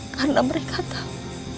karena mereka tahu